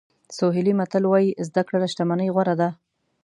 سوهیلي متل وایي زده کړه له شتمنۍ غوره ده.